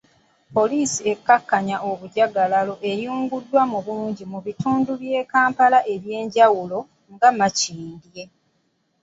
Poliisi ekkakkanya obujagalalo eyiiriddwa mu bungi mu bitundu bya Kampala ebyenjawulo nga Makindye